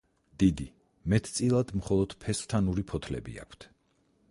დიდი, მეტწილად მხოლოდ ფესვთანური ფოთლები აქვთ.